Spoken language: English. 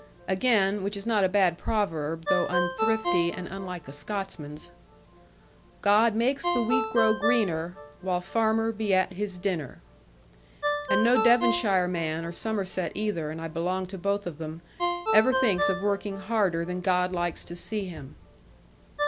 And again, which is not a bad proverb, though unthrifty and unlike a Scotsman's, God makes the wheat grow greener, While farmer be at his dinner. And no Devonshire man, or Somerset either (and I belong to both of them), ever thinks of working harder than God likes to see him.